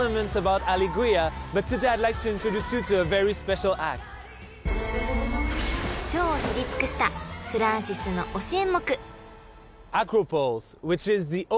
［ショーを知り尽くしたフランシスの推し演目］